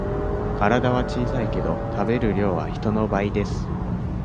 体は小さいけど食べる量は人の倍です